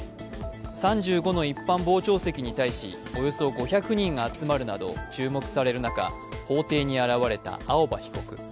３５の一般傍聴席に対しおよそ５００人が集まるなど注目される中法廷に現れた青葉被告。